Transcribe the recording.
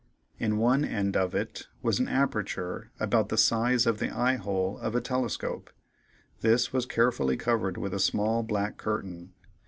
In one end of it was an aperture about the size of the eye hole of a telescope; this was carefully covered with a small black curtain.